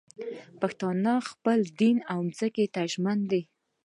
پښتانه خپل دین او ځمکې ته ژمن دي